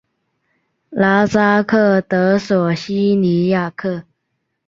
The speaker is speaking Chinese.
拉扎克德索西尼亚克。